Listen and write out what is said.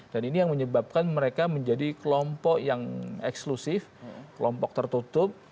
dan ini yang menyebabkan mereka menjadi kelompok yang eksklusif kelompok tertutup